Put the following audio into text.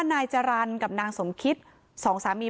เพราะไม่เคยถามลูกสาวนะว่าไปทำธุรกิจแบบไหนอะไรยังไง